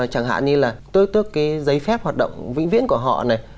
chẳng hạn như là tước cái giấy phép hoạt động vĩnh viễn của họ này